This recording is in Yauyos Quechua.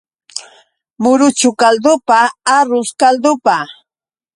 Muruchu kaldupa, arrus kaldupa.